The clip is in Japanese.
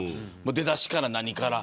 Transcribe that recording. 出だしから何から。